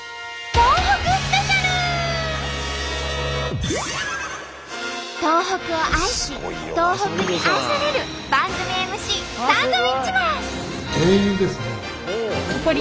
東北を愛し東北に愛される番組ＭＣサンドウィッチマン。